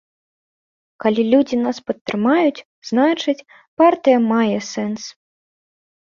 Калі людзі нас падтрымаюць, значыць, партыя мае сэнс.